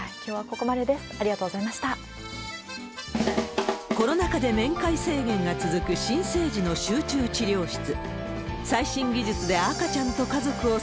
円安になりますと、コロナ禍で面会制限が続く新生児の集中治療室。